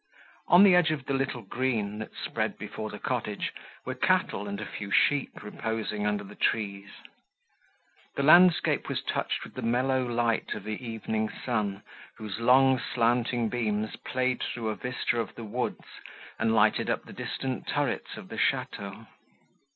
On the edge of the little green, that spread before the cottage, were cattle and a few sheep reposing under the trees. The landscape was touched with the mellow light of the evening sun, whose long slanting beams played through a vista of the woods, and lighted up the distant turrets of the château.